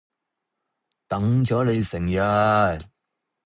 等咗你成日